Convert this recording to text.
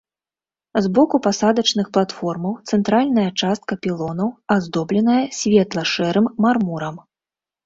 З боку пасадачных платформаў цэнтральная частка пілонаў аздобленая светла-шэрым мармурам.